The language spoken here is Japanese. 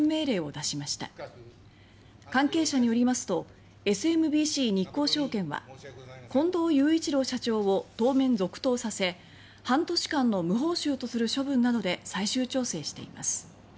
関係者によりますとＳＭＢＣ日興証券は近藤雄一郎社長を当面続投させ半年間の無報酬とする処分などで最終調整しています。